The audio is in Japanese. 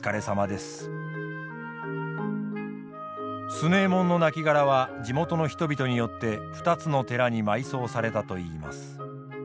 強右衛門の亡骸は地元の人々によって２つの寺に埋葬されたといいます。